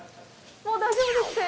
もう大丈夫ですって。